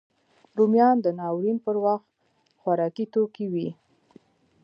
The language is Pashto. رومیان د ناورین پر وخت خوارکي توکی وي